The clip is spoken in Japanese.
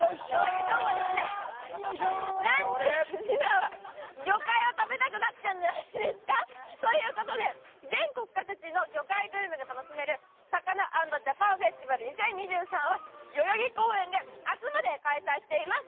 ランチに魚介を食べたくなっちゃうんじゃないですか？ということで、全国各地の魚介グルメが楽しめるＳＡＫＡＮＡ＆ＪＡＰＡＮＦＥＳＴＩＶＡＬ２０２３は代々木公園で明日まで開催しています。